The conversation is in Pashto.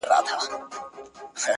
لړۍ د اوښکو ګريوانه ته تلله!.